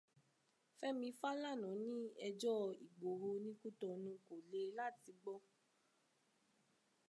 Fẹ́mi Fálànà ní ẹjọ́ Ìgbòho ní Kútọnu kò le láti gbọ́